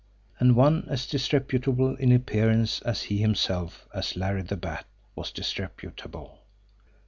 And one as disreputable in appearance as he himself, as Larry the Bat, was disreputable!